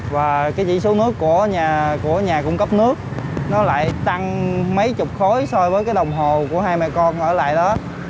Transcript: và cái chỉ số nước của nhà cung cấp nước nó lại tăng mấy chục khối so với cái đồng hồ của hai mẹ con ở lại đó